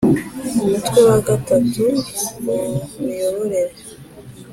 umutwe wa gatatu mu mu miyoborere